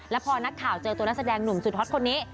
แล้วพอนักข่าวเจอตัวนักแสดงหนุ่มสุดฮอตคนนี้